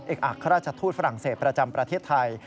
อัครราชทูตฝรั่งเศสประจำประเทศไทย